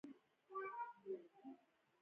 زه يې ويشتلى وم.